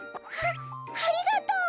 あありがとう！